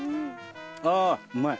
あうまい。